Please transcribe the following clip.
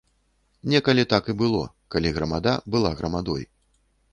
Некалі так і было, калі грамада была грамадой.